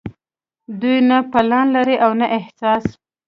دوي نۀ پلان لري او نه احساس